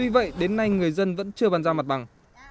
vậy đến nay người dân vẫn chưa bàn giao mặt bằng